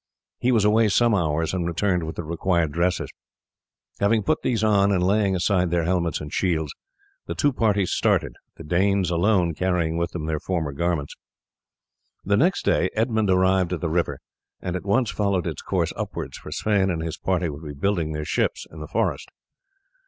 He was away some hours, and returned with the required dresses. Having put these on, and laying aside their helmets and shields, the two parties started, the Danes alone carrying with them their former garments. The next day Edmund arrived at the river, and at once followed its course upwards, for Sweyn and his party would be building their ships in the forest.